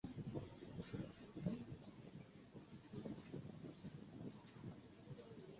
巴吉亚县是东帝汶民主共和国包考区的一个县。